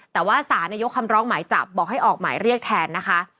แต่ว่าศาลยกคำร้องหมายจับบอกให้ออกหมายเรียกแทนนะคะ